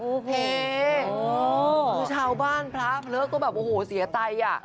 โอเคคือชาวบ้านพระเผลอก็แบบโอ้โหเสียใจอ่ะ